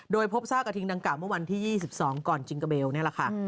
โดยพบทรากระทิงดังกล่าวเมื่อวันที่๒๒กจเกบนี่แหละค่ะ